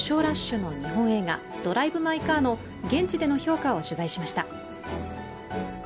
ラッシュの日本映画、「ドライブ・マイ・カー」の現地での評価を取材しました。